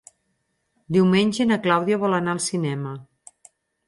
Diumenge na Clàudia vol anar al cinema.